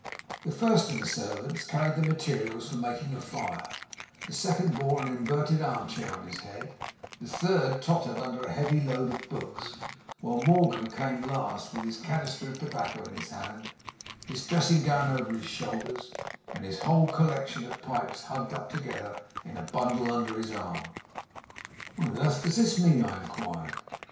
The first of the servants carried the materials for making a fire; the second bore an inverted arm chair on his head; the third tottered under a heavy load of books; while Morgan came last, with his canister of tobacco in his hand, his dressing gown over his shoulders, and his whole collection of pipes hugged up together in a bundle under his arm. "What on earth does this mean?" I inquired.